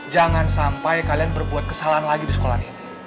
jangan sampai kalian berbuat kesalahan lain